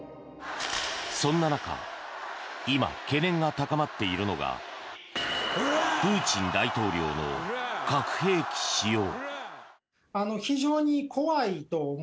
そんな中今、懸念が高まっているのがプーチン大統領の核兵器使用。